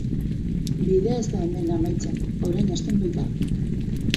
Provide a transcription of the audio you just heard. Bidea ez da hemen amaitzen, orain hasten baita.